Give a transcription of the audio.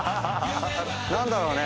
何だろうね？